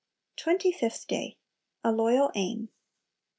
Twenty fifth Day. A Loyal Aim.